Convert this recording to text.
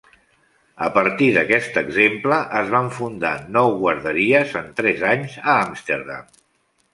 A partir d'aquest exemple, es van fundar nou guarderies en tres anys a Amsterdam.